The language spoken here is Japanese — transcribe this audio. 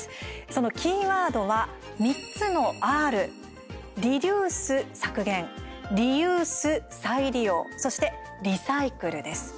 そのキーワードは３つのＲリデュース、削減リユース、再利用そしてリサイクルです。